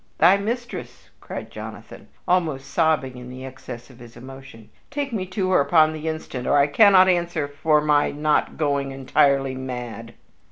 "Thy mistress!" cried Jonathan, almost sobbing in the excess of his emotion; "take me to her upon the instant, or I cannot answer for my not going entirely mad!"